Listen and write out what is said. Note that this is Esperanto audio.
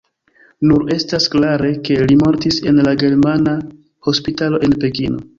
Nur estas klare, ke li mortis en la Germana Hospitalo en Pekino.